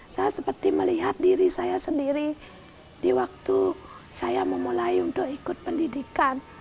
saya seperti melihat diri saya sendiri di waktu saya memulai untuk ikut pendidikan